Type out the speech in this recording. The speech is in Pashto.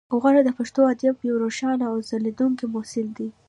غور د پښتو ادب یو روښانه او ځلیدونکی فصل دی